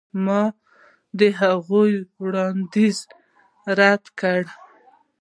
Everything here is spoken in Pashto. ما د هغوی وړاندیزونه رد کړل.